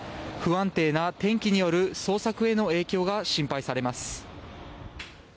不安定な天気による捜索への影響が心配されます。